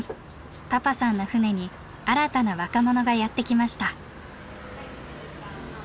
パパさんの船に新たな若者がやって来ました。